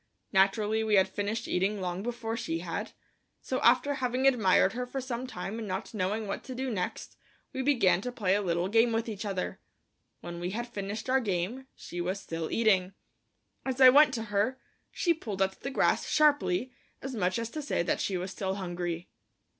Naturally we had finished eating long before she had, so after having admired her for some time and not knowing what to do next, we began to play a little game with each other. When we had finished our game, she was still eating. As I went to her, she pulled at the grass sharply, as much as to say that she was still hungry.